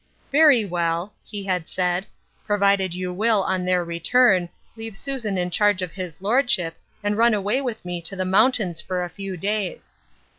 '' Very well," he had The Baptism of Suffering, 415 Baid, " provided you will, on their return, leave Susan in charge of his lordship, and run away ^th me to the mountains for a few days."